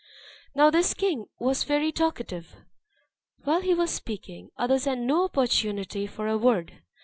Now this king was very talkative; while he was speaking, others had no opportunity for a word.